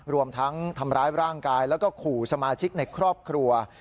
รวมทั้งทำร้ายร่างกายแล้วก็ขู่สมาชิกในครอบครัว